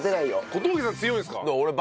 小峠さん強いんですか？